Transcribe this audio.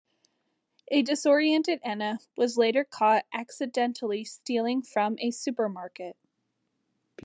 A disoriented Ena was later caught accidentally stealing from a supermarket.